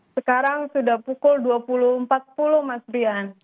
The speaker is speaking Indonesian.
sekarang sudah pukul dua puluh empat puluh mas brian